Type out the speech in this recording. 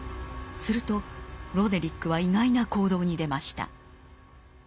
するとロデリックは意外な行動に出ました。